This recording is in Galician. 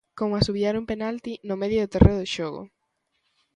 Como asubiar un penalti no medio do terreo de xogo.